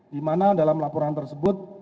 di mana dalam laporan tersebut